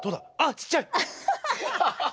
ちっちゃい。